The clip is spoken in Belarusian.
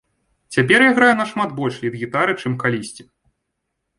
Цяпер я граю нашмат больш лід-гітары, чым калісьці.